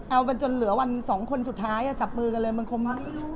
เอาจนเหลือวัน๒คนสุดท้ายจับมือกันเลย